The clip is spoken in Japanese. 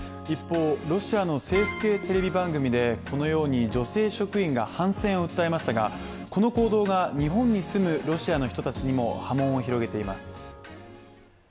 一方、ロシアの政府系テレビ番組でこのように女性職員が反戦を訴えましたがこの行動が日本に住むロシアの人たちにも波紋を広げています。